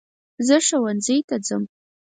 زه ښوونځی ته ځم